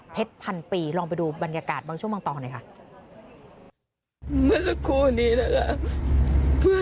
พันปีลองไปดูบรรยากาศบางช่วงบางตอนหน่อยค่ะ